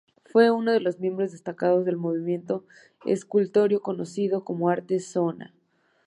Fue uno de los miembros destacados del movimiento escultórico conocido como arte Shona.